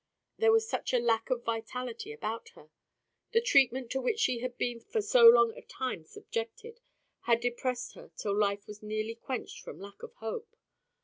There was such a lack of vitality about her! The treatment to which she had been for so long a time subjected had depressed her till life was nearly quenched from lack of hope.